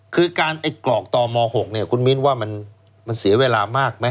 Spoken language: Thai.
คือการไอ้กรอกต่อม๖เนี่ยคุณมิ้นว่ามันเสียเวลามากไหม